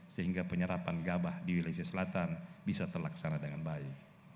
sehingga penyerapan gabah di wilayah selatan bisa terlaksana dengan baik